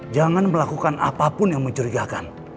jangan melakukan apapun yang mencurigakan